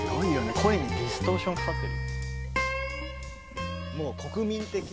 声にディストーションかかってる。